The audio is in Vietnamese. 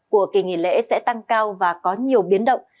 của kỳ nghỉ lễ sẽ tăng cao và có nhiều biến động